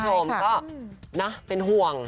ใช่ค่ะคุณผู้ชมก็น่าจะเป็นห่วง